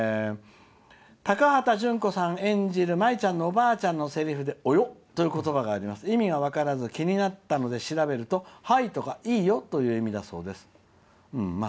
「高畑淳子さん演じる舞ちゃんのおばあちゃんのせりふで「およ」っていう言葉があり気になって調べると「はい」とか「いいよ」という意味だそうです」。